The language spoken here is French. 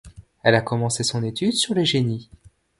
Elle a commencé son étude sur les génies.